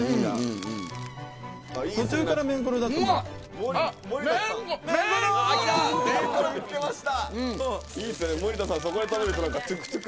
途中からメンコロだと思った。